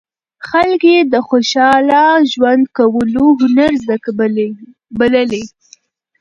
خلک یې د خوشاله ژوند کولو هنر زده بللی.